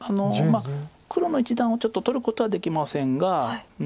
黒の一団をちょっと取ることはできませんが。